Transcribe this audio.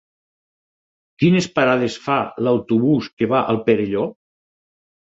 Quines parades fa l'autobús que va al Perelló?